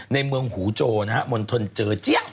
ในเมืองหูโจนะฮะมนตรนเจอเจียง